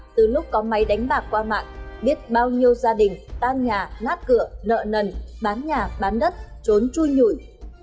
từ lúc có máy đánh bạc qua mạng biết bao nhiêu gia đình tan nhà lát cửa nợ nần bán nhà bán đất trốn chui nhủi